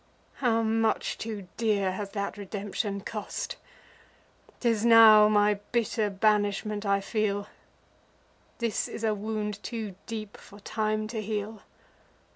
How much too dear has that redemption cost! 'Tis now my bitter banishment I feel: This is a wound too deep for time to heal.